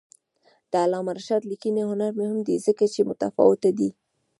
د علامه رشاد لیکنی هنر مهم دی ځکه چې متفاوته دی.